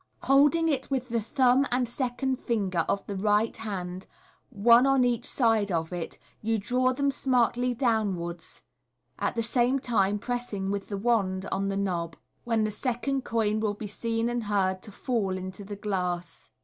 Holding it with the thumb and second finger of the right hand, one on each side of it, you draw them smartly downwards, at the same time pressing with the wand on the knob, when the second coin will be seen and heard to fall into the glass.